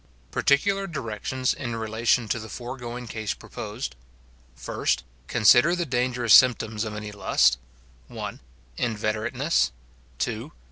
Particular directions in relation to the foregoing case proposed — First. Consider the dangerous symptoms of any lust — 1. Invet erateness — 2.